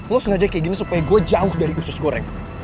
lo sengaja kayak gini supaya gue jauh dari usus goreng